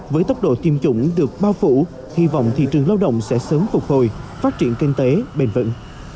với tốc độ tiêm chủng được bao phủ hy vọng thị trường lao động sẽ sớm phục hồi phát triển kinh tế bền vững